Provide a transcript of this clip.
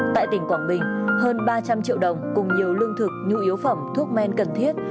tại tỉnh quảng bình hơn ba trăm linh triệu đồng cùng nhiều lương thực nhu yếu phẩm thuốc men cần thiết